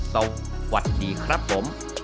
สวัสดีครับผม